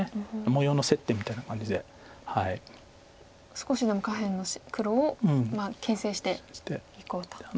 少しでも下辺の黒をけん制していこうと。